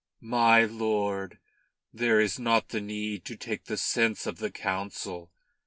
"My lord, there is not the need to take the sense of the Council.